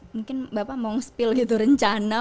mungkin bapak maung spill gitu rencana